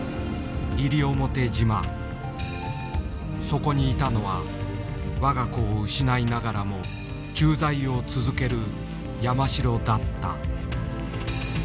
そこにいたのは我が子を失いながらも駐在を続ける山城だった。